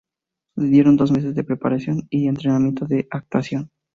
Le dieron dos meses de preparación y entrenamiento de actuación.